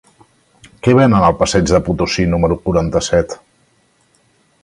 Què venen al passeig de Potosí número quaranta-set?